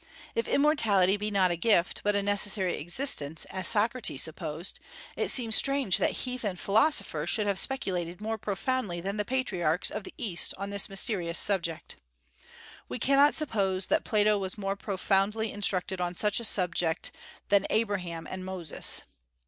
If immortality be not a gift, but a necessary existence, as Socrates supposed, it seems strange that heathen philosophers should have speculated more profoundly than the patriarchs of the East on this mysterious subject. We cannot suppose that Plato was more profoundly instructed on such a subject than Abraham and Moses.